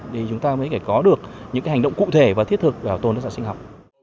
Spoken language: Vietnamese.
để chúng ta mới có được những cái hành động cụ thể và thiết thực bảo tồn đa dạng sinh học